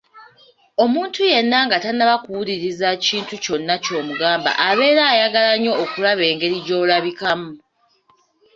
Omuntu yenna nga tannaba kuwuliriza kintu kyonna ky'omugamba abeera ayagala nnyo okulaba engeri gy'olabikamu.